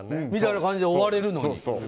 みたいな感じで終われるのに。